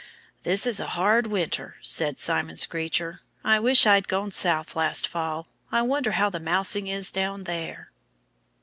"This is a hard winter," said Simon Screecher. "I wish I'd gone South last fall. I wonder how the mousing is down there."